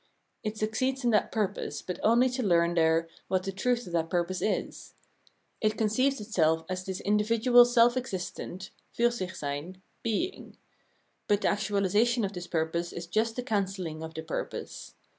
It succeeds in its purpose, but only to learn there what the truth of that purpose is. It conceives itself as this individual self existent {Fur sich seyn) being ; but the actuahsation of this purpose is just the cancelling of the purpose.